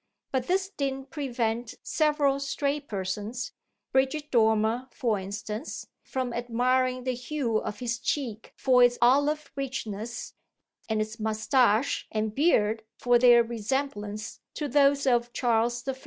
But this didn't prevent several stray persons Bridget Dormer for instance from admiring the hue of his cheek for its olive richness and his moustache and beard for their resemblance to those of Charles I.